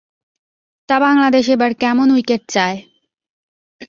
তা বাংলাদেশ এবার কেমন উইকেট চায়?